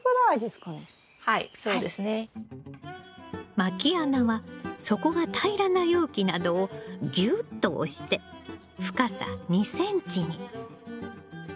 まき穴は底が平らな容器などをギュッと押して深さ２ｃｍに。